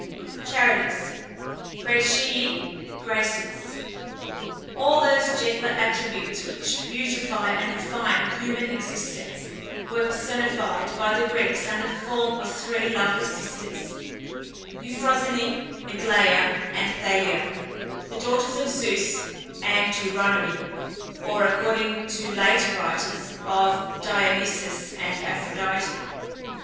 CHARITES (GRATIÆ) GRACES. All those gentler attributes which beautify and refine human existence were personified by the Greeks under the form of three lovely sisters, Euphrosyne, Aglaia, and Thalia, the daughters of Zeus and Eurynome (or, according to later writers, of Dionysus and Aphrodite).